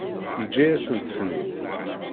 Yeǧǧa-yasent-ten-id.